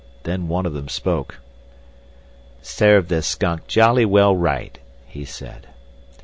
Then one of them spoke. "Served the skunk jolly well right," he said.